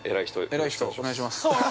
◆偉い人、お願いします。